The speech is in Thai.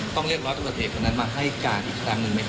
ต้องเรียกว่าทัวร์เทคเยอะนั้นมาให้การอีกแสงหนึ่งไหมครับ